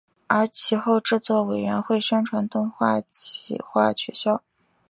而其后制作委员会宣布动画化企划取消。